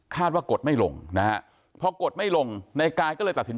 คาดว่ากดไม่ลงนะครับ